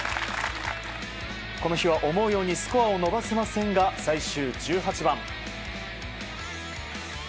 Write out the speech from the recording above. この日は思うようにスコアを伸ばせませんが最終１８番。